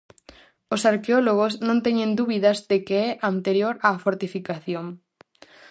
Os arqueólogos non teñen dúbidas de que é anterior á fortificación.